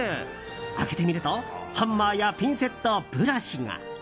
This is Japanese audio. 開けてみるとハンマーやピンセット、ブラシが。